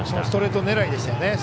ストレート狙いでしたよね。